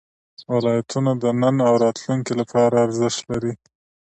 ولایتونه د نن او راتلونکي لپاره ارزښت لري.